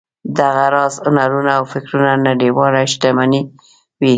دغه راز هنرونه او فکرونه نړیواله شتمني وي.